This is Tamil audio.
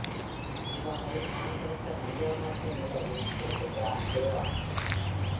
இவ்வகையில் நான் படைத்த பஞ்சவர்ணத்தின் நிழலில் ஒண்டுகிறாள் தேவானை.